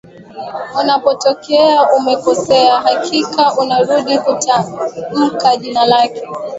unapotokea umekosea hakikisha unarudia kutamka jina lake